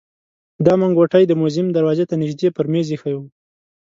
دا منګوټی د موزیم دروازې ته نژدې پر مېز ایښی و.